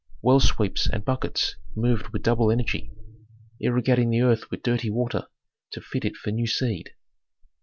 Well sweeps and buckets moved with double energy, irrigating the earth with dirty water to fit it for new seed.